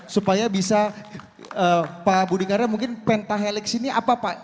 supaya bisa pak budi karya mungkin pentahelix ini apa pak